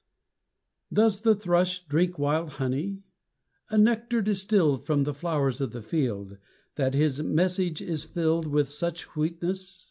Does the thrush drink wild honey? a nectar distilled From the flowers of the field, that his message is filled With such sweetness?